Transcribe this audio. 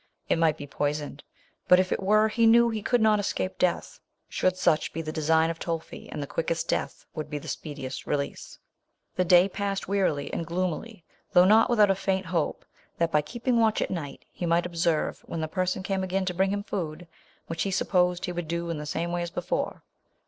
It might be poisoned; but if it were, he knew he could not escape death, should such be the design of Tolfi, and the quickest death would be the speediest release. The day passed wearilyand gloom ily ; though not without a faint hope that, by keeping watch at night, he might observe when the person came again to bring him food, which ho supposed lit would do in the same .way as before.